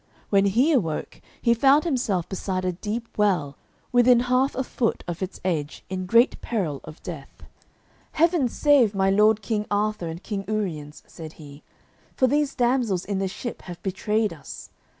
When he awoke he found himself beside a deep well, within half a foot of its edge, in great peril of death. "Heaven save my lord King Arthur and King Uriens," said he, "for these damsels in the ship have betrayed us.